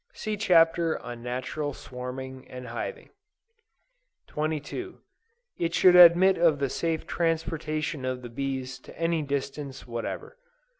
(See Chapter on Natural Swarming, and Hiving.) 23. It should admit of the safe transportation of the bees to any distance whatever.